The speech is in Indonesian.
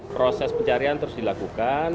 proses pencarian terus dilakukan